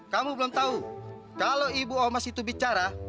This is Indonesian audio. kamu belum tahu kalau ibu omas itu bicara